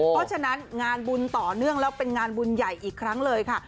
เพราะฉะนั้นงานบุญต่อเนื่องแล้วเป็นงานบุญใหญ่อีกครั้งเลยค่ะ